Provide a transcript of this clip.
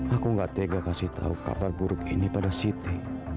aku tidak tega memberitahu kabar buruk ini pada siti